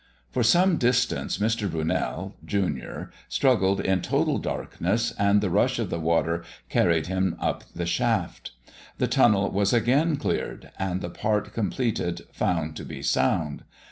For some distance, Mr. Brunel, junior, struggled in total darkness, and the rush of the water carried him up the shaft. The Tunnel was again cleared, and the part completed found to be sound.